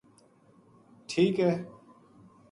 ٹھیک ہے